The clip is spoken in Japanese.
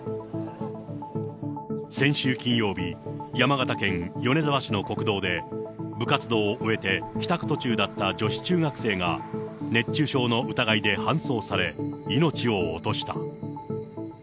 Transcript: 先週金曜日、山形県米沢市の国道で部活動を終えて帰宅途中だった女子中学生が、熱中症の疑いで搬送され、命を落とした。